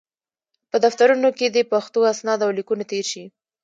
په دفترونو کې دې پښتو اسناد او لیکونه تېر شي.